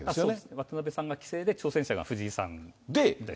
渡辺さんが棋聖で挑戦者が藤井さんです。